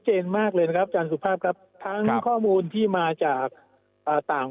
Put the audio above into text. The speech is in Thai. เจนมากเลยนะครับอาจารย์สุภาพครับทั้งข้อมูลที่มาจากต่าง